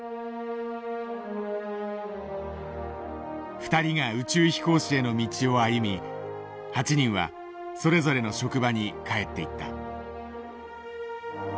２人が宇宙飛行士への道を歩み８人はそれぞれの職場に帰っていった。